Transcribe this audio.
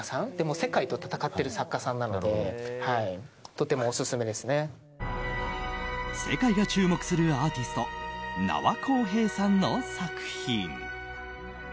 世界と戦っている作家さんなので世界が注目するアーティスト名和晃平さんの作品。